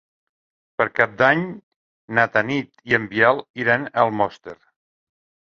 Per Cap d'Any na Tanit i en Biel iran a Almoster.